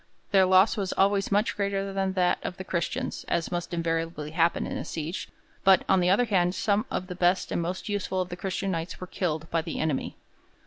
Their loss was always much greater than that of the Christians, as must invariably happen in a siege; but, on the other hand, some of the best and most useful of the Christian Knights were killed by the enemy.